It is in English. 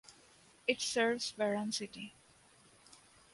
It serves Baran city.